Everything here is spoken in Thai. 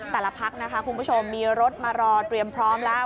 แต่ละพักนะคะคุณผู้ชมมีรถมารอเตรียมพร้อมแล้ว